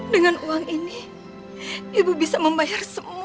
dengan uang ini ibu bisa membayar semua